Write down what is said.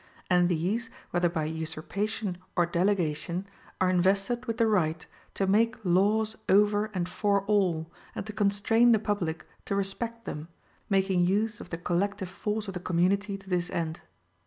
And these, whether by usurpation or delegation, are invested with the right to make laws over and for all, and to constrain the public to respect them, making use of the collective force of the community to this end.